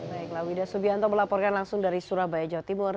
baiklah wida subianto melaporkan langsung dari surabaya jawa timur